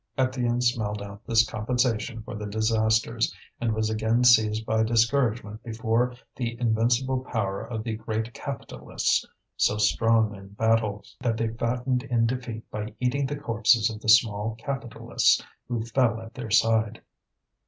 Étienne smelled out this compensation for the disasters, and was again seized by discouragement before the invincible power of the great capitalists, so strong in battle that they fattened in defeat by eating the corpses of the small capitalists who fell at their side.